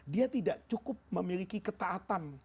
dia tidak cukup memiliki ketaatan